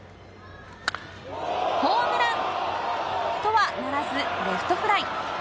ホームランとはならず、レフトフライ。